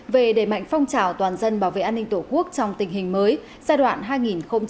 về đề mạnh phong trào toàn dân bảo vệ an ninh tổ quốc trong tình hình mới giai đoạn hai nghìn hai mươi ba hai nghìn ba mươi ba